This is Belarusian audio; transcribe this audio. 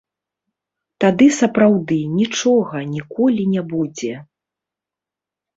Тады сапраўды нічога ніколі не будзе.